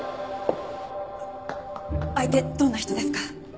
相手どんな人ですか？